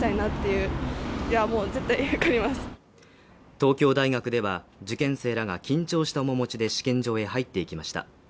東京大学では、受験生らが緊張した面持ちで試験場へ入っていきました。